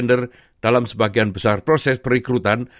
under dalam sebagian besar proses perikrutan